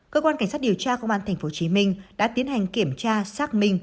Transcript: cơ quan cảnh sát điều tra công an tp hcm đã tiến hành kiểm tra xác minh